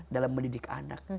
dalam mendidik anak